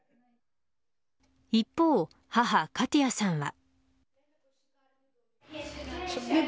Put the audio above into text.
一方、母・カティアさんは。